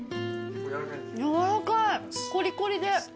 やわらかいコリコリで。